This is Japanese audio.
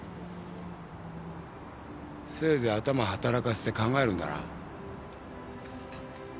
せいぜい頭働かせて考えるんだな。